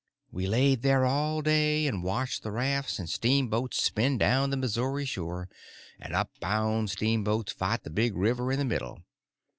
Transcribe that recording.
We laid there all day, and watched the rafts and steamboats spin down the Missouri shore, and up bound steamboats fight the big river in the middle.